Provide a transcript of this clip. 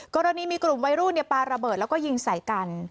กรณีมีกลุ่มวัยรุ่นปลาระเบิดแล้วก็ยิงใส่กัน